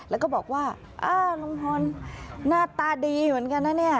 แล้วก็บอกว่าลุงพลหน้าตาดีเหมือนกันนะเนี่ย